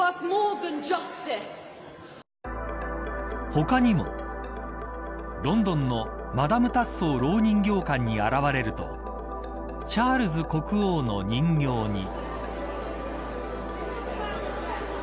他にもロンドンのマダム・タッソーろう人形館に現れるとチャールズ国王の人形に。